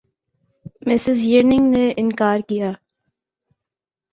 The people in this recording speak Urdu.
مسز یئرگن نے اِنکار کِیا